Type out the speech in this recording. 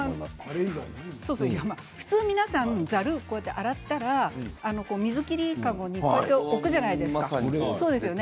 普通、皆さんざるを洗ったら水切り籠に置くじゃないですか。